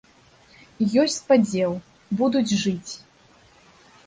І ёсць спадзеў, будуць жыць.